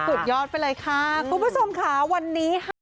สุดยอดไปเลยค่ะคุณผู้ชมค่ะวันนี้ค่ะ